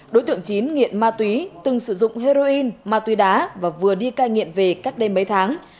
đối tượng chín nghiện ma túy từng sử dụng heroin ma túy đá và vừa đi cai nghiện về cách đây mấy tháng